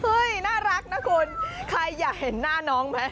เฮ้ยน่ารักน่ะคุณใครอย่าเห็นหน้าน้อไหม